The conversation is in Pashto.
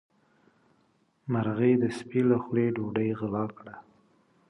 مرغۍ د سپي له خولې ډوډۍ وغلا کړه.